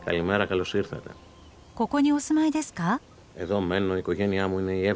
ここにお住まいですか？